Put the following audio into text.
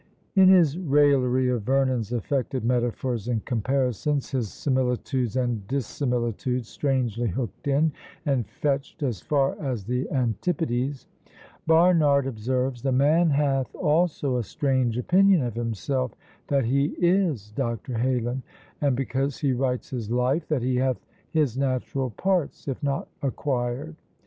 In his raillery of Vernon's affected metaphors and comparisons, "his similitudes and dissimilitudes strangely hooked in, and fetched as far as the Antipodes," Barnard observes, "The man hath also a strange opinion of himself that he is Dr. Heylin; and because he writes his Life, that he hath his natural parts, if not acquired.